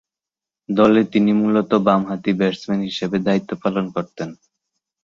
দলে তিনি মূলতঃ বামহাতি ব্যাটসম্যান হিসেবে দায়িত্ব পালন করতেন।